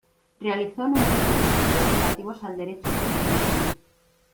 Realizó numerosos estudios relativos al derecho público en Chile.